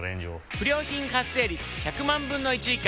不良品発生率１００万分の１以下。